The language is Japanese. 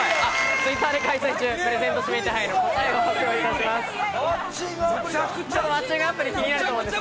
ツイッターで開催中、プレゼント指名手配の答えを発表いたします。